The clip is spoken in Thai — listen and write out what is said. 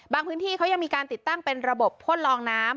พื้นที่เขายังมีการติดตั้งเป็นระบบพ่นลองน้ำ